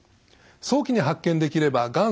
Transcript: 早期に発見できればがん